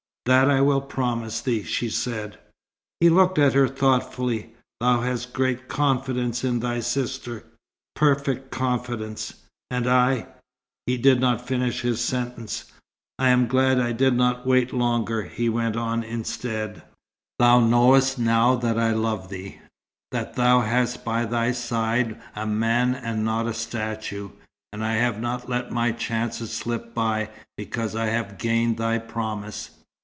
"That I will promise thee," she said. He looked at her thoughtfully. "Thou hast great confidence in thy sister." "Perfect confidence." "And I " he did not finish his sentence. "I am glad I did not wait longer," he went on instead. "Thou knowest now that I love thee, that thou hast by thy side a man and not a statue. And I have not let my chance slip by, because I have gained thy promise."